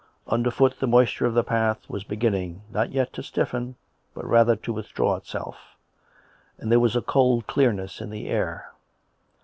Under foot the moisture of the path was beginning, not yet to stiffen, but rather to withdraw itself; and there was a cold clearness in the air.